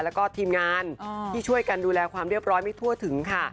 แล้วก็ทีมงานที่ช่วยกันดูแลความเรียบร้อยไม่ทั่วถึงค่ะ